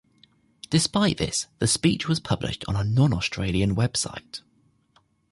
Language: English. Despite this, the speech was published on a non-Australian website.